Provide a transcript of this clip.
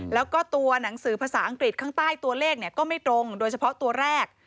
แล้วก็ตัวหนังสือภาษาอังกฤษข้างใต้ตัวเลขก็ไม่ตรงโดยเฉพาะตัวแรก